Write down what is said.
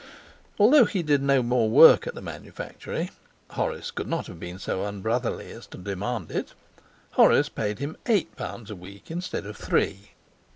Although he did no more work at the manufactory Horace could not have been so unbrotherly as to demand it Horace paid him eight pounds a week instead of three.